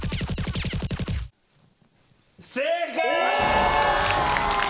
正解。